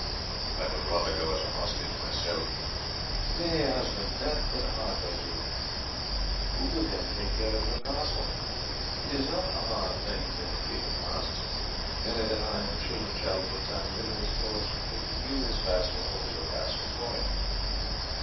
"I would rather go as a hostage myself." "Nay, husband, that could hardly be. Who would then take care of your castle? It is not a hard thing that the king asks, merely that I and the children shall for a time live at his court as a proof that you, his vassal, hold your castle for him.